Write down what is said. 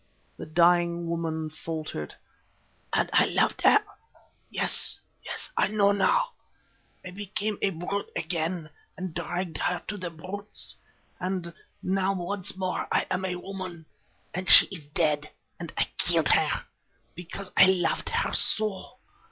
the dying woman faltered, "and I loved her. Yes, yes, I know now. I became a brute again and dragged her to the brutes, and now once more I am a woman, and she is dead, and I killed her—because I loved her so.